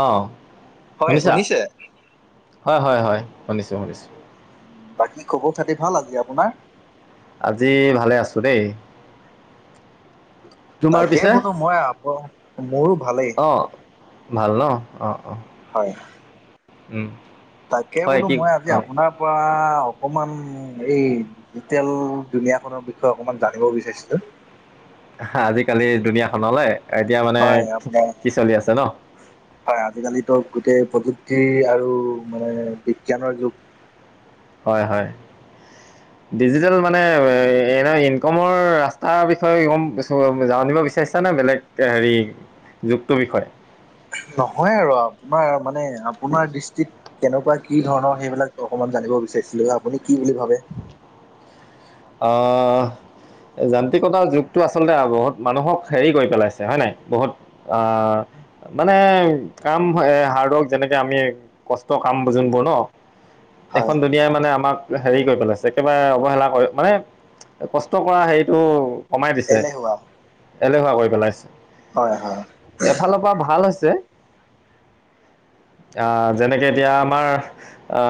অ হয় শুনিছা? শুনিছে হয় হয় হয় শুনিছো শুনিছো। বাকী খবৰ খাতি ভাল আজি আপোনাৰ? আজি ভালে আছো দেই। তোমাৰ তাকে পিছে বোলো মই আপ মোৰো ভালেই অঁ ভাল ন অঁ অঁ। হয়। উম। তাকে হয় বোলো কি মই আজি অঁ আপোনাৰ পৰা- অকমান এই ডিজিটেল দুনীয়াখনৰ বিষয়ে অকমান জানিব বিচাৰিছিলো। হা আজিকালি দুুনীয়াখনলে। এতিয়া মানে হয় আপোনাৰ কি চলি আছে ন? হয় আজিকালিতো গোটেই প্ৰযুক্তি আৰু মানে বিজ্ঞানৰ যুগ। হয় হয়। ডিজিটেল মানে এনে ইনকমৰ ৰাস্তাৰ বিষয়ে গম চম জানিব বিচাৰিছা নে বেলেগ হেৰি যুগটোৰ বিষয়ে? নহয় আৰু আপোনাৰ মানে আপোনাৰ দৃষ্টিত কেনেকুৱা, কি ধৰণৰ সেইবিলাক অকমান জানি ব বিচাৰিছো, আপুনি কি বুলি ভাবে? আহ যান্ত্ৰিকতাৰ যুগটো আচলতে বহুত মানুহক হেৰি কৰি পেলাইছে হয় নাই বহুত আহ মানে কাম এ হাৰ্ডৱৰ্ক যেনেকে আমি কষ্ট কাম যোনবোৰ ন হয় এখন দুুনীয়াই মানে আমাক হেৰি কৰি পেলাইছে একেবাৰে অৱহেলা কৰি মানে কষ্ট কৰা হেৰিটো কমাই দিছে, এলেহুৱা এলেহুৱা কৰি পেলাইছে। হয় হয় এফালৰ পৰা ভাল হৈছে আ যেনেকে এতিয়া আমাৰ আ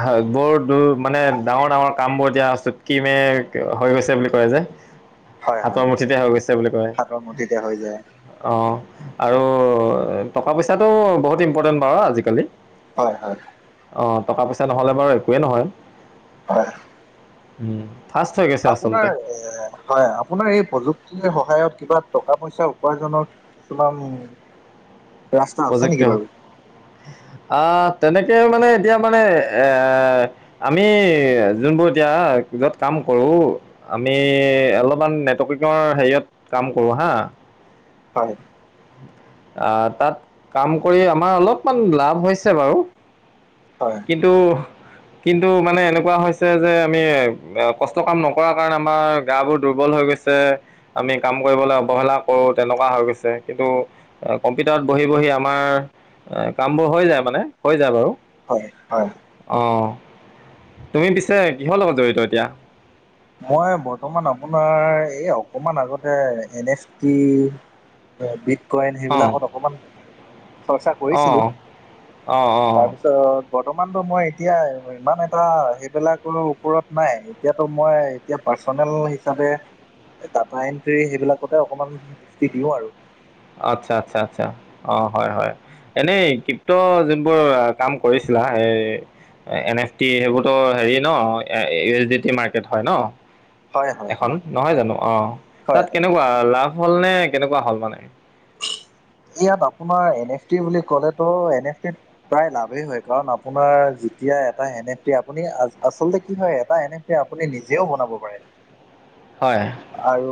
হয় বৰ দূৰ মানে ডাঙৰ ডাঙৰ কামবোৰ এতিয়া চুটকি মে হৈ গৈছে বুলি কয় যে হয় হয় হাতৰ মুঠিতে হৈ গৈছে বুলি কয় হাতৰ মুঠিতে হৈ যায় অহ। আৰু টকা- পইচাটো বহুত ইম্পৰ্টেণ্ট বাৰু আজিকালি। হয় হয়। অ টকা- পইচা নহ'লে বাৰু একোৱেই নহয়। হয়। উম। ফাষ্ট হৈ গৈছে আচলতে আপোনাৰ এ হয় আপোনাৰ এই প্ৰযুক্তিৰ সহায়ত কিবা টকা -পইচা উপাৰ্জনত কিছুমান ৰাস্তা আছে প্ৰজেক নেকি বাৰু? আহ তেনেকে মানে এতিয়া মানে এ, আমি যোনবোৰ এতিয়া য'ত কাম কৰো, আমি অলপমান নেটৱৰ্কিঙৰ হেৰিয়ত কাম কৰো হা হয়। আহ তাত কাম কৰি আমাৰ অলপমান লাভ হৈছে বাৰু। হয় কিন্তু কিন্তু মানে এনেকুৱা হৈছে যে আমি কষ্ট কাম নকৰাৰ কাৰণে আমাৰ গাবোৰ দুৰ বল হৈ গৈছে, আমি কাম কৰিবলৈ অৱহেলা কৰো তেনেকুৱা হৈ গৈছে, কিন্তু কম্পিউটাৰ বহি বহি আমাৰ কামবোৰ হৈ যায় মানে হৈ যায় বাৰু। হয় হয়। অঁ তুমি পিছে কিহৰ লগত জড়িত এতিয়া? মই বৰ্তমান আপোনাৰ এই অকমান আগতে এন এছ টি অ বি ক্লাইন অঁ সেইবিলাকত অকমান চৰ্চা অঁ কৰিছিলোঁ, অঁ অঁ তাৰপিছত বৰ্তমানতো মই এতিয়া ইমান এটা সেইবিলাকৰ ওপৰত নাই, এতিয়াতো মই এতিয়া পাৰ্চনেল হিচাপে টাটা এণ্ট্ৰি সেইবিলাকতে অকণমান দৃষ্টি দিওঁ আৰু। আচ্ছা আচ্ছা আচ্ছা, অ হয় হয়। এনেই কিপ্ত যোনবোৰ কাম কৰিছিলা সেই এন এফ টি সেইবোৰতো হেৰি ন এ এ ডি টি মাৰ্কেট হয় ন? হয় হয় এখন হয় নহয় জানো অ হয় তাত হয় কেনেকুৱা লাভ হল নে কেনেকুৱা হ'ল মানে? ইয়াত আপোনাৰ এন এফ টি বুলি ক'লেতো এন এফ টিত প্ৰায় লাভেই হয় কাৰণ আপোনাৰ যি তিয়া এটা এন এফ পি আপুনি আচলতে কি হয় এটা এন এফ পি আপুনি নিজেও বনাব পাৰে। হয় [inaudible] আৰু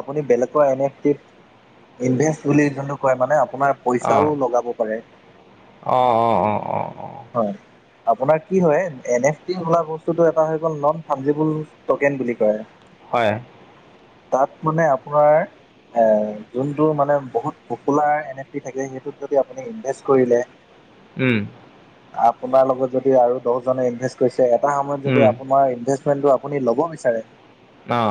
আপুনি বেলেগৰ এন এফ টিত ইনভেষ্ট বুলি যোনটো কয় মানে আপোনাৰ অ পইচাও লগাব পাৰে অ অ অ অ অ হয়। আপোনাৰ কি হয় এন এফ টি বোলা বস্তুটো এটা হৈ গল নন ফাবজেবুল টকেন বুলি কয়। হয়। তাত মানে আপোনাৰ যোনটো মানে বহুত পপুলাৰ এন এফ পি থাকে সেইটোত যদি আপুনি ইনভেষ্ট কৰিলে উম। আপোনাৰ লগত যদি আৰু দহজনে ইনভেষ্ট কৰিছে এটা সময়ত যদি উম আপোনাৰ ইনভে আপুনি ল'ব বিচাৰে আহ।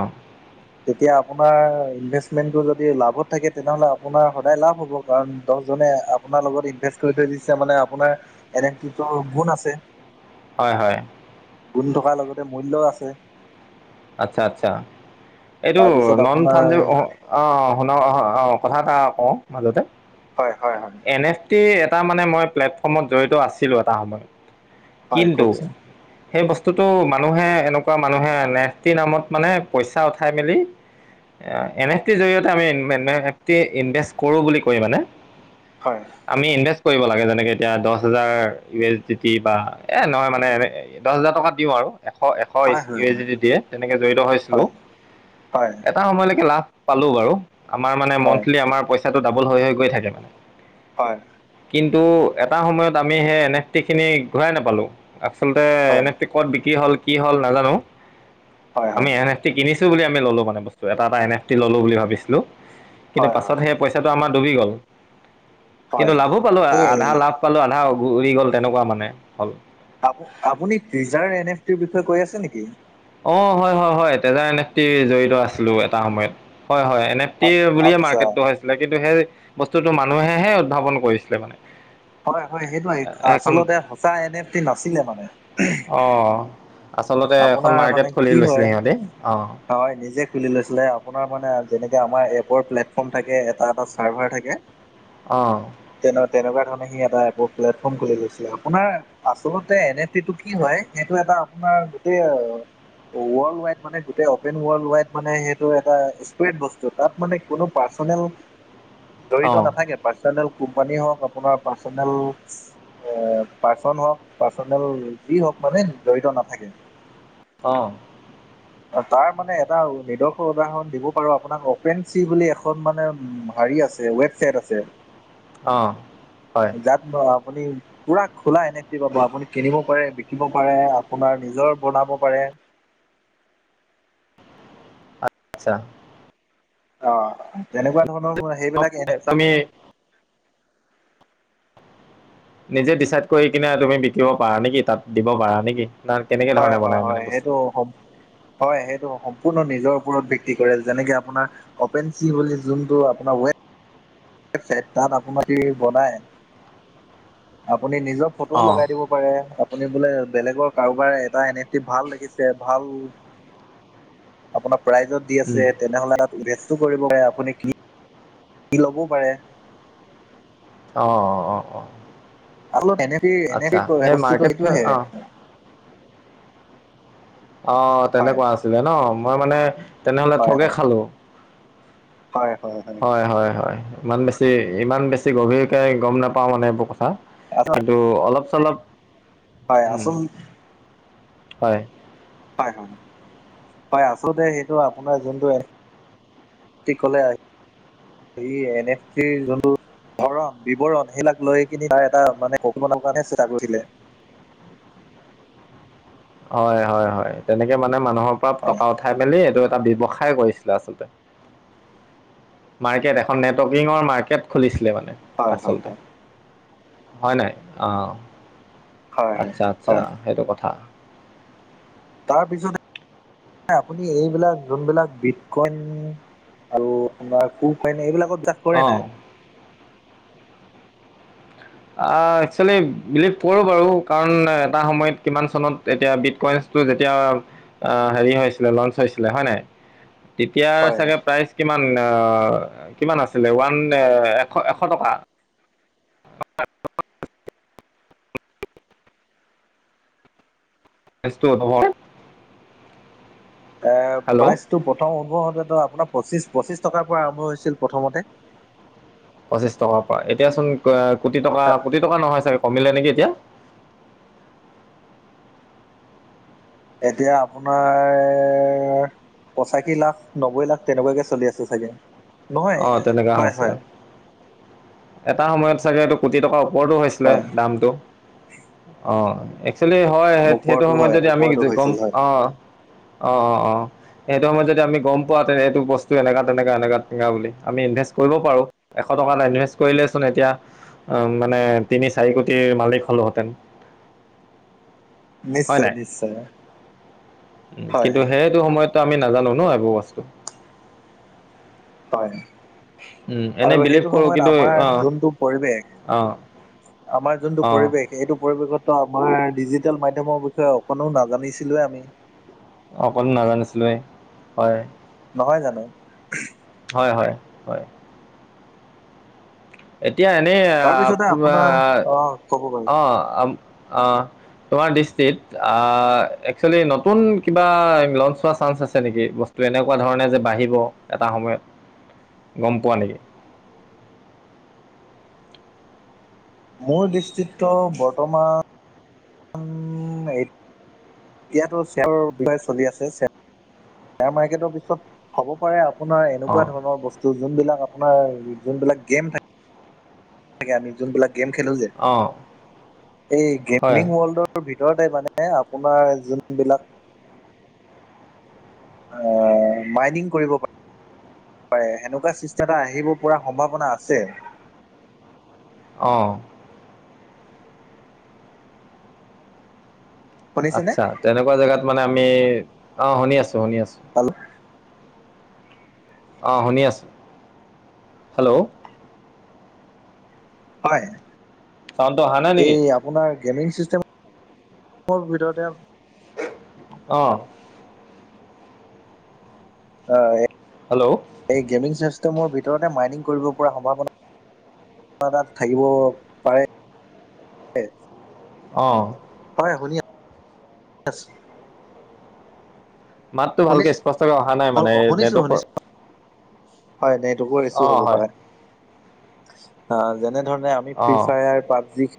তেতিয়া আপোনাৰ ইনভেষ্টমেণ্টো য'দি লা'ভত থাকে তেতিয়া আপোনাৰ সদাই লাভ হ'ব কাৰণ জনে আপোনাৰ লগত ইনভেষ্ট কৰি থৈ দিছে মানে আপোনাৰ এনেকিছো গুণ আছে। হয় হয়। গুণ থকাৰ লগতে মূল্যও আছে। আচ্ছা আচ্ছা। এইটো তাৰপিছত ন'ন আপোনাৰ ফান্ডেও অ আহ শুনা আহ আহ কথা এটা কওঁ মাজতে হয় হয় হয় এন এফ টি এটা মানে মই প্লেটফৰ্মত জড়িত আছিলো এটা সময়ত। হয় কিন্তু কওকচোন। সেই বস্তুটো মানুহে এনেকুৱা মানুহে নেহটি নামত মানে পইচা উঠাই মেলি এন এফ টিৰ জৰিয়তে আমিফটি ইনভেষ্ট কৰো বুলি কৈ মানে হয় আমি ইনভেষ্ট কৰিব লাগে যেনেকৈ এতিয়া দহ হেজাৰ ইউ এছ ডি টি বা এই নহয় মানে এনে দহ হেজাৰ টকা দিওঁ আৰু। এশ এশ হয় ইউ হয় এইচ ডি দিয়ে তেনেকে জড়িত হৈছিলো হয় হয় হয় এটা সময়লৈকে লাভ পালো বাৰু আমাৰ মানে হয় হয় হয় মন্থলি আমাৰ পইচাটো ডাবল হৈ হৈ গৈ থাকে মানে। হয়। কিন্তু এটা সময়ত আমি সেই এন এফ টিখিনি ঘূৰাই নাপালোঁ। আচলতে এন হয় এফ টি ক'ত বিক্ৰী হল কি হল নাজানো। হয় আমি এন এফ টি কিনি ছো বুলি আমি ললো মানে বস্তু এটা এটা এন এফটি ললো বুলি ভাবিছিলো কিন্তু হয় পাছত হয় সেই পইচাটো আমাৰ ডুবি গল হয় কিন্তু লাভো পালো এই আধা লাভ পালো আধা উৰি গ'ল তেনেকুৱা মানে হ'ল। আপুনি পিজাৰ এন এফ টিৰ বিষয়ে কৈ আছে নেকি? অ হয় হয় হয় তেজাৰ এনেফকি জড়িত আছিলো এটা সময়ত। হয় হয় এন এফ টি বুলিয়ে আচ্ছা মাৰ্কেটটো হৈছিলে কিন্তু সেই বস্তুটো মানুহেহে উদ্ভাৱন কৰিছিলে মানে। হয় হয় সেইটোৱে এ এখন আচলতে সঁচা এন এফ টি নাছিলে মানে। অঁ আচলতে আ এখন মানে মাৰ্কেট খুলি কি লৈছিলে হয় সিহঁতে অঁ হয় নিজে খুলি লৈছিলে আপোনাৰ মানে যেনেকে আমাৰ এপৰ প্লেটফৰ্ম থাকে এটা এটা চাৰ্ভাৰ থাকে অহ। তেনে তেনেকুৱা ধৰণে সি এটা এপৰ প্লেটফৰ্ম খুলি লৈছিলে আপোনাৰ আচলতে এনেফটি'টো কি হয় সেইটো এটা এ আপোনাৰ গোটেই ৱৰ্ল্ড ৱাইড মানে গোটেই অপেন ৱৰ্ল্ড ৱাইড মানে সেইটো এটা স্পেৰেদ বস্তু তা'তমানে পাৰ্চনেল পাৰ্চনেল জড়িত অঁ নাথাকে পাৰ্চনেল কোম্পানী হওক আপোনাৰ পাৰ্চনেল এ পাৰ্চন হওক পাৰ্চনেল যি হওক মানে জড়িত নাথাকে। অ। অ তাৰ মানে এটা নিদৰ্শ উদাহৰণ দিব পাৰো আপোনাক অপেন চি বুলি এখন মানে হাৰি আছে ৱেবছাইট আছে অ হয়। যাত আপুনি পুৰা খোলা এনেফ টি পাব আপুনি কিনিব পাৰে, বিকিব পাৰে, আপোনাৰ নিজৰ বনাব পাৰে। অ [inaudible] আচ্ছা। অ তেনেকুৱা ধৰণৰ সেইবিলাক এ এনে তুমি নিজে ডিচাইড কৰি কিনে তুমি বিকিব পাৰা নেকি, তাত দিব পাৰা নেকি? না কেনেকৈ হয় ধৰণে হয় বনাই মানে হয় সেইটো বস্তুটো হয় সেইটো সম্পূৰ্ণ নিজৰ ওপৰত ভিত্তি কৰে যেনেকে আপোনাৰ অপেনঞ্চি বুলি যোনটো আপোনাৰ ৱে ইট তাত আপোনাৰ কি বনাই আপুনি নিজৰ ফটোও অঁ লগাই দিব পাৰে আপুনি বোলে বেলেগৰ কাৰোবাৰে এটা এন এফ টি ভাল লাগিছে ভাল। আপোনাৰ প্ৰাইজত দি আছে তেনেহ'লে তাত উভেচটো কৰিব পাৰে আপুনি কি কি ল'বও পাৰে অ অ অ অ অলপ এনে এনে বস্তুতটো সেইটোহে অঁ অ হয় তেনেকুৱা আছিলে ন মই মানে। তেনেহলে হয় ঠগে হয় খালো হয় হয় হয়। ইমান বেছি ইমান বেছি গভীৰকে গম নাপাওঁ মানে এইবোৰ কথা কিন্তু অলপ চলপ হয় উম আচোন হয়। হয় হয়, হয় আচলতে সেইটো আপোনাৰ যোনটো কলে আহি আহ এন এফ চি যোনটো হৰণ বিৱৰণ সেইবিলাক লৈ কিনি তাৰ এটা মানে ক কিব কাৰণহে চেষ্টা কৰিলে। [inaudible] হয় হয় হয় তেনেকে মানে মানুহৰ পৰা হয় টকা উঠাই মেলি এইটো এটা ব্যৱসায় কৰিছিলে আচলতে মাৰ্কেট এখন নেটৱৰ্কিঙৰ মাৰ্কেট খুলিছিলে মানে হয় হয় আচলতে হয় হয় নাই আহ হয় আচ্ছা আচ্ছা হয় সেইটো কথা। তাৰপিছতে আপুনি এইবিলাক যোনবিলাক বিট কইন আৰু আমাৰ কোমপাইনী এইবিলাকত বিচাস কৰে অঁ নাই। অ একচুৱেলি বিলিভ কৰোঁ বাৰু কাৰণ এটা সময়ত কিমান চনত এতিয়া বিটকইন। যেতিয়া আহ হেৰি হৈছিলে লঞ্চ হৈছিলে হয় নাই তেতিয়া হয়, চাগে প্ৰাইচ কিমান। কিমান আছিলে ওৱান এশ এশ টকা [unintelligible] এ হেল্ল' প্ৰাইজটো প্ৰথম উভ হতে আপোনাৰ পঁচিশ পঁচিশ টকাৰ পৰা আৰম্ভ হৈছিল প্ৰথমতে পঁচিশ টকাৰ পৰা এতিয়া চোন কোটি টকা কোটি টকা নহয় চাগে কমিলে নেকি? কিয়। এতিয়া আপোনাৰ পঁচাশী লাখ নব্বৈ লাখ তেনেকুৱাকে চলি আছে চাগে নহয় অঁ তেনেকুৱা হয় হৈছিলে হয় এটা সময়ত চাগে এইটো কোটি টকাৰ ওপৰতো হৈছিলে হয় দামটো অ একচোৱেলি হয় সেই সেইটো ওপৰতো সময়ত হয় যদি আমি ওপৰতো গম হৈছিল হয়। অঁ অঁ অঁ অঁ সেইটো সময়ত যদি আমি গম পোৱা তে এইটো বস্তু এনেককা তেনেককা এনেকা তেনেকা বুলি আমি ইনভেষ্ট কৰিব পাৰো। এশ টকা নাই। কৰিলেচোন এতিয়া উ মানে তিনি চাৰি কোটিৰ মালিক হ'লো হেতেন হয় নিশ্চয় নাই নিশ্চয় হয় কিন্তু সেইটো সময়ত আমি নাজানো ন এইবোৰ বস্তু হয় এনেই আৰু বিলিভ সেইটো কৰোঁ সময়ত কিন্তু অ আমাৰ যোনটো পৰিৱেশ অ আমাৰ যোনটো অ পৰিৱেশ এইটো পৰিৱেশত ত আমাৰ ডিজিটেল মাধ্যমৰ বিষয়ে অকণো নাজানিছিলো আমি। অকলো নাজানিছিলোৱে হয়। নহয় জানো হয় হয় হয়। এতিয়া এনেই তাৰপিছতে আপোনাৰ অ ক'ব পাৰি অ অ তোমাৰ দৃষ্টিত আহ একচুৱেলি নতুন কিবা লঞ্চ হোৱা চানস আছে নেকি বস্তু। ত' এনেকুৱা ধৰণে যে বাঢ়িব এটা সময়ত গম পোৱা নেকি। মোৰ দৃষ্টিত্ব ত বৰ্তমান। এতিয়াতো শ্বেয়াৰৰ বিষয়ে চলি আছে শ্বেয়াৰ মাৰ্কেটৰ পিছত হ'ব পাৰে অ। আপোনাৰ এনেকুৱা অ', ধৰণৰ বস্তু যোনবিলাক আপোনাৰ যোনবিলাক গেম থাকে। আমি যোনবিলাক গেম খেলো যে অ', এই হয়, গেমিং ৱৰ্ল্ডৰ ভিতৰত ভিতৰতে মানে আপোনাৰ যোনবিলাক আহ মাইনিং কৰিব পাৰি সেনেকুৱা চৃষ্টা এটা আহিব প সম্ভাৱনা আছে অহ শুনিছেনে? আচ্ছা তেনেকুৱা জেগাত মানে আমি অ শুনি আছোঁ শুনি আছোঁ অঁ শুনি আছোঁ হেল্ল'। হয়। চাউনণ্ট টো অহা নাই এই নেকি আপোনাৰ গেমিং ছিষ্টেম ভিতৰতে অহ অ হেল্ল' মোৰ ভিতৰতে মাইনিং কৰিব পৰা সম্ভাৱনা তাত থাকিব পাৰে অ হয় শুনি আছোঁ অ মাততটো ভালকে স্পষ্টকে অহা নাই মানে অ' শুনিছোঁ নেটৱৰ্কৰ শুনিছোঁ হয় নেটৱৰ্কৰ ইছু অ', হ'ব হয়, পাৰে অ যেনে ধৰণে আমি ফ্ৰী অ', ফায়াৰ পাবজি।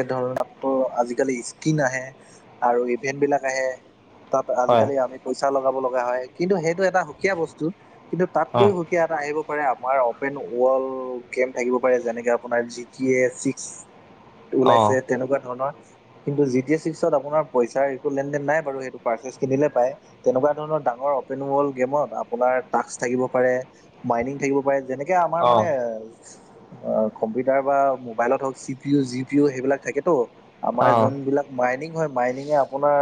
এ ধৰণৰ আজিকালি স্কিন আহে আৰু ইভেণ্টবিলাক আহে তাত হয়, আজিকালি আমি পইচা লগাব লগা হয় কিন্তু সেইটো এটা সুকীয়া বস্তুত। কিন্তু অ', তাতকৈও সুকীয়া এটা আহিব আমাৰ অপেন ওৱল গেম থাকিব পাৰে যেনে আপোনা জি টি এ ছিক্স ওলাইছে অ', তেনেকুৱা ধৰণৰ কিন্তু জিটি এচিক্সত আপোনাৰ পইচাৰটো লেনদেন নাই বাৰু সেইটো পাৰ্চছ কিনিলে পায় তেনেকুৱা ধৰণৰ ডাঙ অপেন হল গেমত আপোনাৰ থাকিব পাৰে মাইং থাকিব পাৰে আমাৰ মানে অ', কম্পিউটাৰ বা মোবাইলত হওক চিপিও জিপিও সেইবিলাক থাকেতো আমাৰ অ', যোন বিলাক মাইনিং হয়। মাইনিঙে আপোনাৰ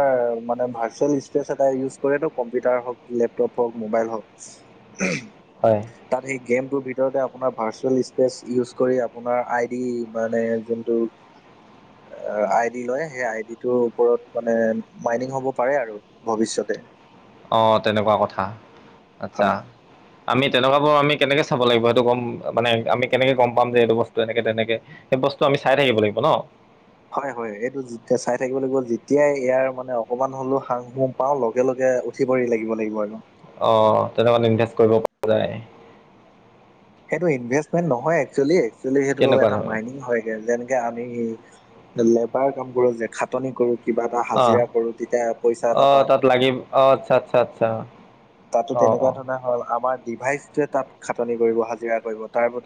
মান ভাৰ্চুৱেল স্পেচ এটা ইউজ কৰেতো কম্পিউটাৰ হওঁক লেপটপ হওঁক মোবাইল হ। হ ও। হয়। গেমটোৰ ভিতৰতে আপোনাৰ ভাৰ্চুৱেল স্পেচ ইউজ কৰি আপোনাৰ আই ডি মানে যোনটো [unintelligible] আই ডি লয় সেই আইডি ৰ ওপৰত মানে মাইনিং হ'ব পাৰে আৰু ভৱিষ্যতে অ তেনেকুৱা কথা আচ্ছা হয় আমি তেনেকুৱাবোৰ আমি কেনেকে চাব লাগিব সেইটো গম মানে আমি কেনেকে গম পাম যে এইটো বস্তু এনেকে তেনেকে বস্তু আমি চাই থাকিব লাগিব ন হয় হয় এইটো চাই থাকিব লাগিব যেতিয়াই ইয়াৰ মানে অকমান হলেও হাং শুং পাওঁ লগে লগে উঠিব লাগিব লাগিব আৰু আহ তেনেকুৱা ইনভেষ্ট কৰিব পৰা যায় সেইটো ইনভেষ্টমেন্ট নহয় একেল একেল সেইটো কেনেকুৱা এটা ধৰণৰ মাইনিং হয়গে যেনেকে আমি লেবাৰ কাম কৰো যে খাটনি কৰোঁ কিবা এটা অ হাজিৰা কৰো তেতিয়া পইচা অ এটা পাওঁ তাত লাগি অ আচ্ছা আচ্ছা আচ্ছা তাতো অ তেনেকুৱা অ ধৰণৰ হল আমাৰ ডিভাইচ তাত খাটনি কৰিব হাজিৰা কৰিব তাৰ বদল